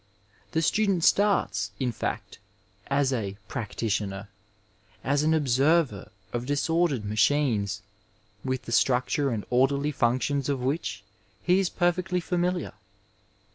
The student starts, in fact, as a practUioner, as an observer of disordered machines, with the structure and orderly functions of which he is perfectly familiar.